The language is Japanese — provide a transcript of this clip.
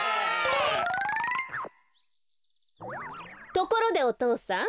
ところでおとうさん。